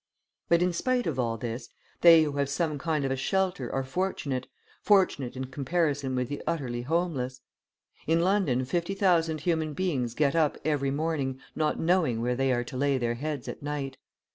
But in spite of all this, they who have some kind of a shelter are fortunate, fortunate in comparison with the utterly homeless. In London fifty thousand human beings get up every morning, not knowing where they are to lay their heads at night.